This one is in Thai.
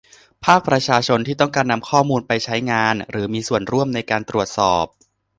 ภาคประชาชนที่ต้องการนำข้อมูลไปใช้งานหรือมีส่วนร่วมในการตรวจสอบ